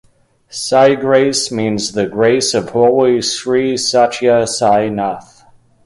Saigrace means ""The grace of holy Sri Satya Sai Nath"".